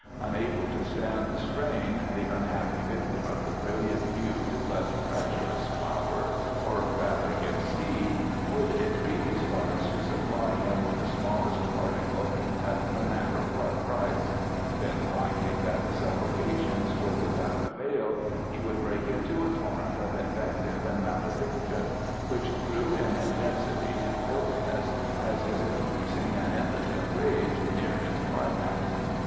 Unable to stand the strain, the unhappy victim of the brilliant hued, but treacherous flower, or rather its seed, would entreat his guards to supply him with the smallest particle at no matter what price; then, finding that his supplications were without avail, he would break into a torrent of invective and malediction, which grew in intensity and filthiness as his increasing and impotent rage neared its climax.